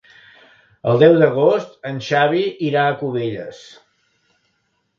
El deu d'agost en Xavi irà a Cubelles.